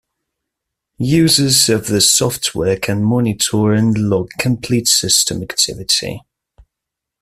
Users of the software can monitor and log complete system activity.